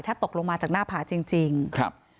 ถ้าตกลงมาจากหน้าผาจริงจริงครับ